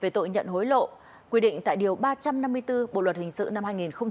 về tội nhận hối lộ quy định tại điều ba trăm năm mươi bốn bộ luật hình sự năm hai nghìn một mươi năm